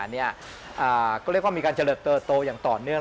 ก็เรียกว่ามีการเจริญเติบโตอย่างต่อเนื่อง